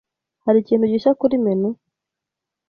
Hari ikintu gishya kuri menu?